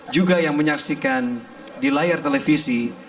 juga yang menyaksikan di layar televisi